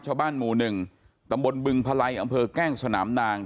ชาวบ้านหมู่๑ตำบลบึงพลัยอำเภอแกล้งสนามนาง